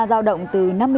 giao động từ năm mươi